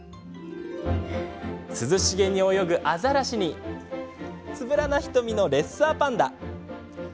涼しげに泳ぐアザラシにつぶらな瞳のレッサーパンダ。